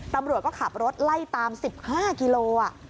ตำรวจก็ขับรถไล่ตาม๑๕กิโล